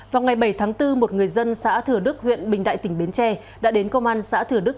vào ngày bảy tháng bốn một người dân xã thừa đức huyện bình đại tỉnh bến tre đã đến công an xã thừa đức